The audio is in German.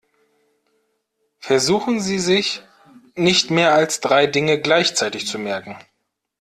Versuchen Sie sich nicht mehr als drei Dinge gleichzeitig zu merken.